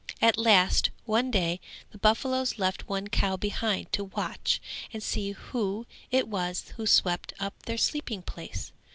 At last one day the buffaloes left one cow behind to watch and see who it was who swept up their sleeping place.